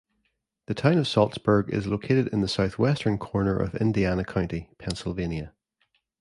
The town of Saltsburg is located in the southwestern corner of Indiana County, Pennsylvania.